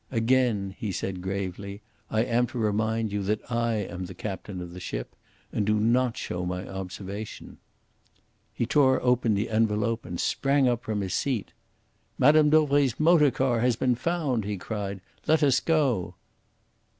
"Again," he said gravely, "I am to remind you that I am captain of the ship and do not show my observation." He tore open the envelope and sprang up from his seat. "Mme. Dauvray's motor car has been found," he cried. "Let us go!"